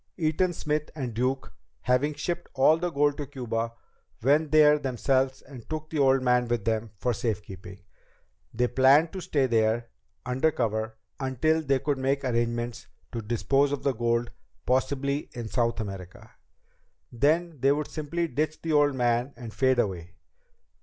Eaton Smith and Duke, having shipped all the gold to Cuba, went there themselves and took the old man with them for safekeeping. They planned to stay there, under cover, until they could make arrangements to dispose of the gold, possibly in South America. Then they would simply ditch the old man and fade away.